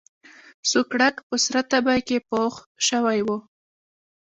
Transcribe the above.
سوکړک په سره تبۍ کې پوخ شوی و.